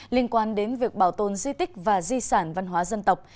liên quan đến việc bảo tồn di tích và di sản văn hóa dân tộc